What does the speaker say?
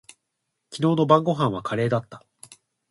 昨日の晩御飯はカレーだった。